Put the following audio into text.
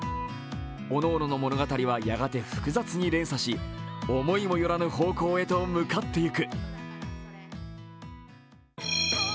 おのおのの物語はやがて複雑に連鎖し、思いもよらぬ方向へと向かっていく。